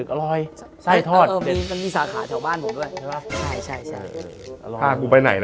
กินร้อนชอบการ